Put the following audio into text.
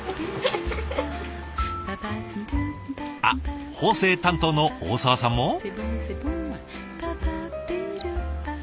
あっ縫製担当の大澤さんも。